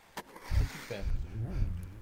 C'est super.